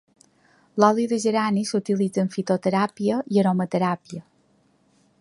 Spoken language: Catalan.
L'oli de gerani s'utilitza en fitoteràpia i aromateràpia.